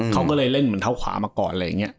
เขาก็เลยเล่นเหมือนเท้าขวามาก่อนอะไรอย่างนี้